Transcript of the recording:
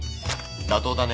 妥当だね。